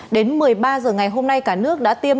đến một mươi ba h ngày hôm nay cả nước đã tiêm